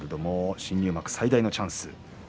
新入幕最大のチャンス。